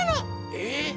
え？